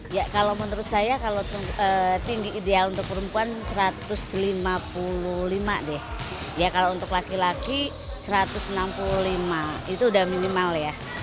ya kalau menurut saya tinggi ideal untuk perempuan satu ratus lima puluh lima deh ya kalau untuk laki laki satu ratus enam puluh lima itu udah minimal ya